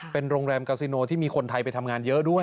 เป็นโรงแรมกาซิโนที่มีคนไทยไปทำงานเยอะด้วย